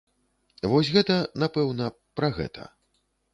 Вось гэта, напэўна, пра гэта.